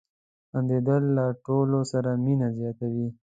• خندېدل له ټولو سره مینه زیاتوي.